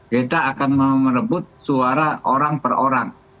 kita akan merebut suara orang per orang